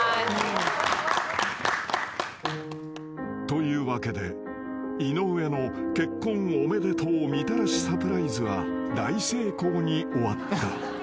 ［というわけで井上の結婚おめでとうみたらしサプライズは大成功に終わった］